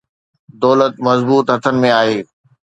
دولت مضبوط هٿن ۾ آهي.